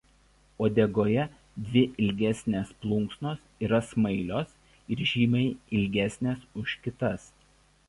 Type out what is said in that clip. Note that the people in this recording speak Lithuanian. Uodegoje dvi ilgesnės plunksnos yra smailios ir žymiai ilgesnės už kitas.